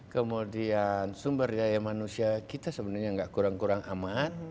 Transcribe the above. kemudian sumber daya manusia kita sebenarnya nggak kurang kurang amat